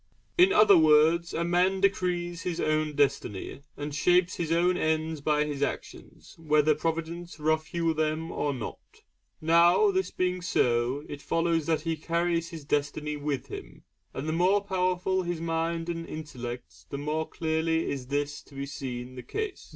In other words, a man decrees his own destiny and shapes his own ends by his actions, whether Providence rough hew them or not. Now this being so, it follows that he carries his destiny with him, and the more powerful his mind and intellect the more clearly is this seen to be the case.